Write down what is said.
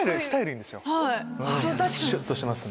シュっとしてます。